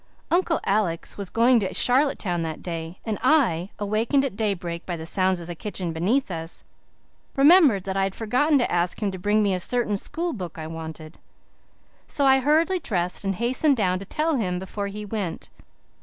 Uncle Alec was going to Charlottetown that day, and I, awakened at daybreak by the sounds in the kitchen beneath us, remembered that I had forgotten to ask him to bring me a certain school book I wanted. So I hurriedly dressed and hastened down to tell him before he went.